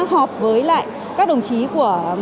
họp với lại các đồng chí của